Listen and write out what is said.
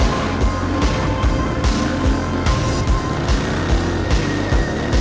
wah jangan jangan dikerjakan si cobra